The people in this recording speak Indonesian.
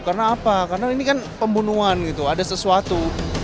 karena apa karena ini kan pembunuhan gitu ada sesuatu